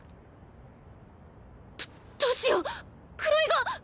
どどうしよう黒井が。